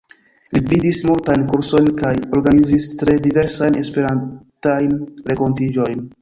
Li gvidis multajn kursojn, kaj organizis tre diversajn esperantajn renkontiĝojn.